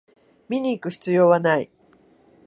見にいく必要はない